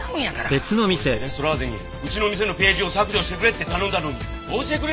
それでレストラーゼにうちの店のページを削除してくれって頼んだのに応じてくれないんですよ！